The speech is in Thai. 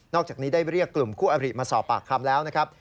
อกจากนี้ได้เรียกกลุ่มคู่อริมาสอบปากคำแล้วนะครับ